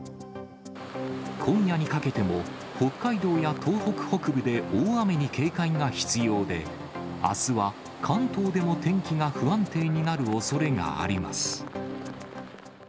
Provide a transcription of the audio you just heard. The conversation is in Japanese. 今夜にかけても、北海道や東北北部で大雨に警戒が必要で、あすは関東でも天気が不安定になるおそれがあります。